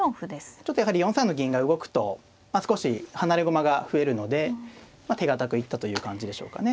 ちょっとやはり４三の銀が動くと少し離れ駒が増えるので手堅く行ったという感じでしょうかね。